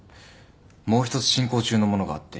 もうひとつ進行中のものがあって。